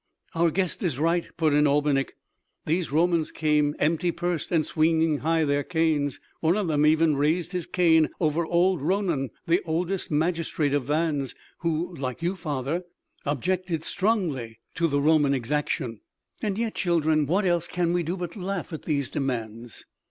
"Our guest is right," put in Albinik; "these Romans came empty pursed and swinging high their canes. One of them even raised his cane over old Ronan, the oldest magistrate of Vannes, who, like you, father, objected strongly to the Roman exaction." "And yet, children, what else can we do but laugh at these demands.